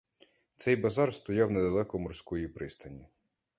Цей базар стояв недалеко морської пристані.